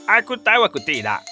aku tahu aku tidak